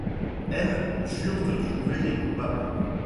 M jure de trouver les coupables.